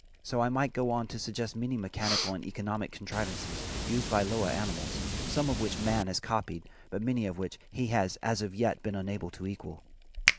So I might go on to suggest many mechanical and economic contrivances used by lower animals, some of which man has copied but many of which he has as yet been unable to equal.